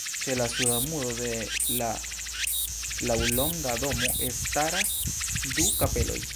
Ĉe la suda muro de la laŭlonga domo staras du kapeloj.